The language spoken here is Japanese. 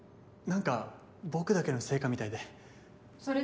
何か、僕だけの成果みたいで。